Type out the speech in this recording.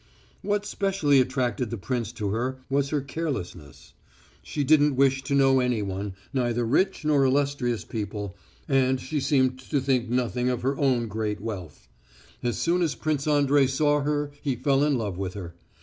What specially attracted the prince to her was her carelessness. She didn't wish to know anyone, neither rich nor illustrious people, and she seemed to think nothing of her own great wealth. As soon as Prince Andrey saw her he fell in love with her.